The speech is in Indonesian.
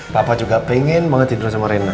bapak juga pengen banget tidur sama rena